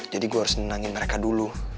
jadi gue harus nyenangin mereka dulu